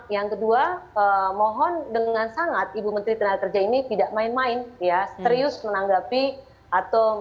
yang kedua mohon dengan sangat ibu menteri tenaga kerja ini tidak main main ya serius menanggapi atau